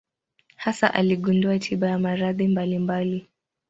Hasa aligundua tiba ya maradhi mbalimbali.